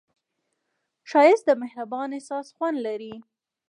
ښایست د مهربان احساس خوند لري